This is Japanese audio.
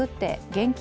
現金